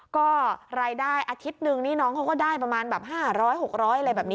ก็รายได้อาทิตย์หนึ่งนี่น้องเขาก็ได้ประมาณ๕๐๐๖๐๐บาท